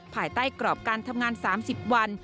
ภายใต้กรอบการทำงาน๓๐วัน